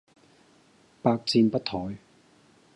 百戰不殆